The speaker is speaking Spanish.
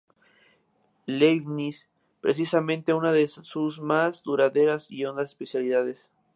Leibniz —precisamente una de sus más duraderas y hondas especialidades—, apenas le conoce.